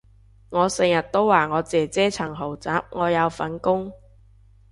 我成日都話我姐姐層豪宅我有份供